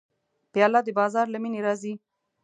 پیاله د بازار له مینې راځي.